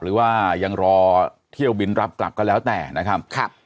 หรือว่ายังรอเที่ยวบินรับกลับก็แล้วแต่นะครับ